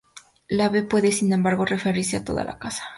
La B puede, sin embargo, referirse a toda la casa.